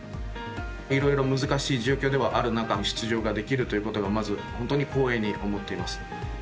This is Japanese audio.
いろいろ難しい状況ではある中出場ができることがまず本当に光栄に思っています。